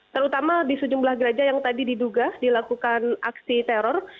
terutama di sejumlah gereja yang tadi diduga dilakukan aksi teror